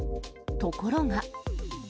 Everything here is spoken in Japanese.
ところが。